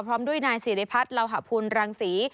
พร้อมด้วยนายสิริพัฒน์ลาวหภูมิรังศรี